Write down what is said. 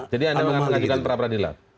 jadi anda mengajukan perapradilan